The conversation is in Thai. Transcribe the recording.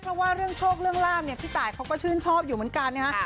เพราะว่าเรื่องโชคเรื่องลาบเนี่ยพี่ตายเขาก็ชื่นชอบอยู่เหมือนกันนะฮะ